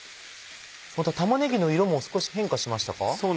玉ねぎの色も少し変化しましたか？